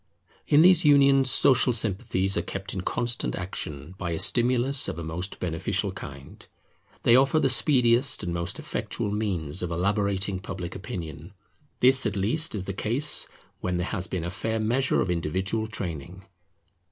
In these unions social sympathies are kept in constant action by a stimulus of a most beneficial kind. They offer the speediest and most effectual means of elaborating Public Opinion: this at least is the case when there has been a fair measure of individual training.